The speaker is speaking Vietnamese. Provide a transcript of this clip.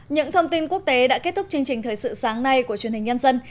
những thông tin quốc tế đã kết thúc chương trình thời sự sáng nay của truyền hình nhân dân